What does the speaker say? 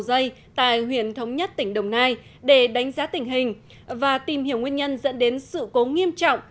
đường dây tại huyện thống nhất tỉnh đồng nai để đánh giá tình hình và tìm hiểu nguyên nhân dẫn đến sự cố nghiêm trọng